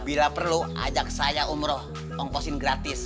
bila perlu ajak saya umroh ongkosin gratis